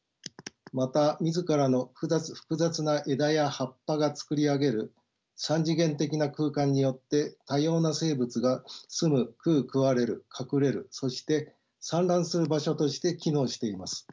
また自らの複雑な枝や葉っぱがつくり上げる三次元的な空間によって多様な生物が住む食う食われる隠れるそして産卵する場所として機能しています。